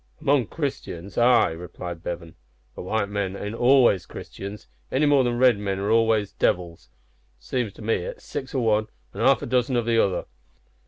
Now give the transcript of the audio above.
"Among Christians ay," replied Bevan; "but white men ain't always Christians, any more than red men are always devils. Seems to me it's six o' one an' half a dozen o' the other.